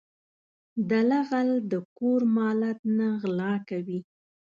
دله غل د کور مالت نه غلا کوي .